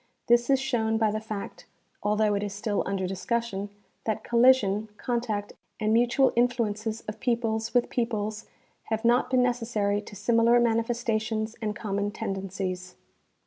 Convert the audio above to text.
This is shown by the fact, although it is still under discussion, that col lision, contact and mutual influences of peoples with peoples have not been necessary to similar manifestations and common tendencies.